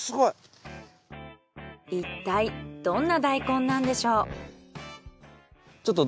いったいどんな大根なんでしょう？